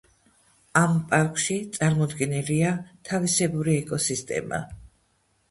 ამ პარკში წარმოდგენილია თავისებური ეკოსისტემა.